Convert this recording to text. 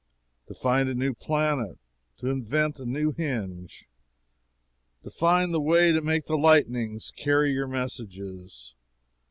To find a new planet, to invent a new hinge, to find the way to make the lightnings carry your messages.